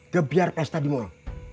gebiar pesta di mal